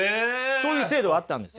そういう制度があったんですよ。